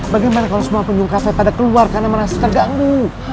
bagaimana kalau semua penyumkafe pada keluar karena merasa terganggu